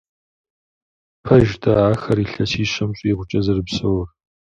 Пэж-тӏэ ахэр илъэсищэм щӏигъукӏэ зэрыпсэур?